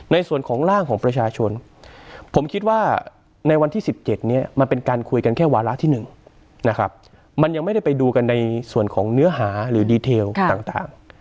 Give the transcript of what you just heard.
ในส่วนของร่างของประชาชนผมคิดว่าในวันที่๑๗เนี่ยมันเป็นการคุยกันแค่วาระที่๑นะครับมันยังไม่ได้ไปดูกันในส่วนของเนื้อหาหรือดีเทลต่าง